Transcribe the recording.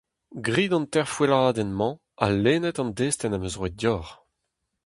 Grit an teir foelladenn-mañ ha lennit an destenn am eus roet deoc'h.